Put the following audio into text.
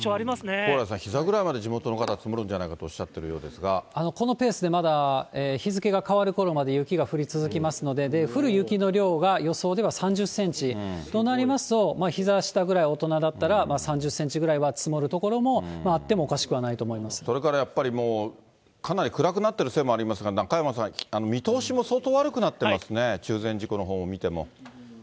蓬莱さん、ひざぐらいまで地元の方、積もるんじゃないかっておっしゃってるこのペースでまだ日付が変わるころまで雪が降り続きますので、降る雪の量が予想では３０センチ、となりますと、ひざ下ぐらい、大人だったら３０センチぐらいは積もる所があってもおかしくはなそれからやっぱり、もうかなり暗くなってるせいもありますが、中山さん、見通しも相当悪くなってますね、中禅寺湖のほうを見ても。